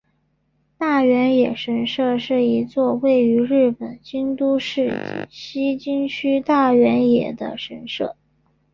大原野神社是一座位于日本京都市西京区大原野的神社。